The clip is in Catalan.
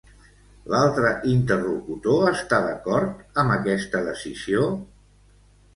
L'altre interlocutor està d'acord amb aquesta decisió?